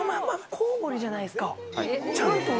コウモリじゃないですか。